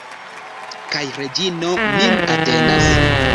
Kaj Reĝino min atendas.